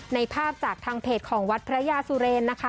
ภาพจากทางเพจของวัดพระยาสุเรนนะคะ